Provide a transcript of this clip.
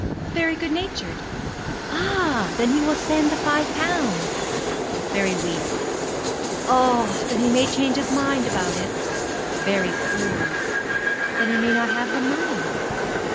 'Very good natured.' 'Ah! Then he will send the five pounds.' 'Very weak.' 'Ah! Then he may change his mind about it.' 'Very poor.' 'Then he may not have the money.'